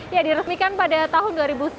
ya diresmikan pada tahun dua ribu sembilan